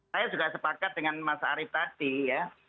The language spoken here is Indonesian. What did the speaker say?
saya juga sepakat dengan mas arief tadi ya